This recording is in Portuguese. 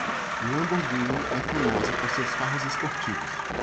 Lamborghini é famosa por seus carros esportivos.